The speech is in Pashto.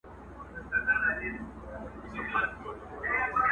بوډا ویل په دې قلا کي به سازونه کېدل!!